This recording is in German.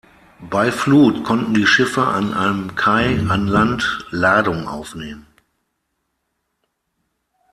Bei Flut konnten die Schiffe an einem Kai an Land Ladung aufnehmen.